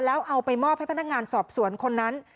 แล้วเอาไปมอบให้พนักงานสอบสวนคนนั้น